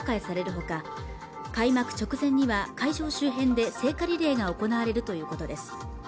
ほか開幕直前には会場周辺で聖火リレーが行われるということです